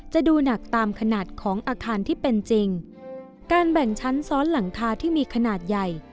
ดูหนักตามขนาดของอาคารที่เป็นจริงการแบ่งชั้นซ้อนหลังคาที่มีขนาดใหญ่